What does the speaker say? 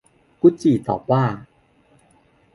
กุดจี่ตอบว่า